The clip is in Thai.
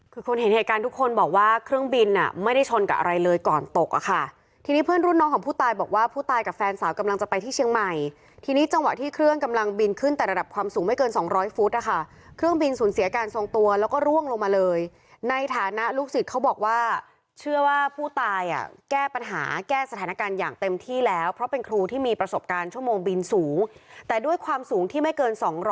คือคนเห็นเหตุการณ์ทุกคนบอกว่าเครื่องบินอ่ะไม่ได้ชนกับอะไรเลยก่อนตกอ่ะค่ะทีนี้เพื่อนรุ่นน้องของผู้ตายบอกว่าผู้ตายกับแฟนสาวกำลังจะไปที่เชียงใหม่ทีนี้จังหวะที่เครื่องกำลังบินขึ้นแต่ระดับความสูงไม่เกินสองร้อยฟุตอ่ะค่ะเครื่องบินสูญเสียการทรงตัวแล้วก็ร่วงลงมาเลยในฐานะลูกศึกเข